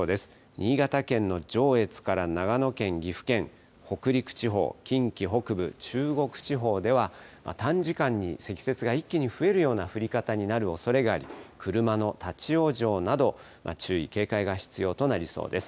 新潟県の上越から長野県、岐阜県、北陸地方、近畿北部、中国地方では、短時間に積雪が一気に増えるような降り方になるおそれがあり、車の立往生など、注意、警戒が必要となりそうです。